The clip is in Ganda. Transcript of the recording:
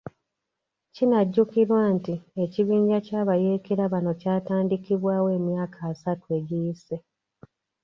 Kinajjukirwa nti ekibinja ky'abayeekera bano kyatandikibwawo emyaka asatu egiyise .